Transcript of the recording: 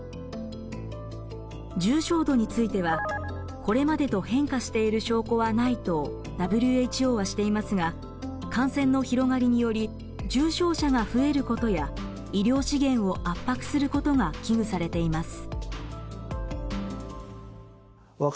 重症度については「これまでと変化している証拠はない」とＷＨＯはしていますが感染の広がりにより重症者が増えることや医療資源を圧迫することが危惧されています。